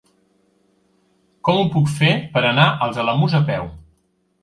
Com ho puc fer per anar als Alamús a peu?